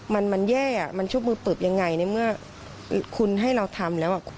มันมันแย่อ่ะมันชุบมือเปิบยังไงในเมื่อคุณให้เราทำแล้วอ่ะ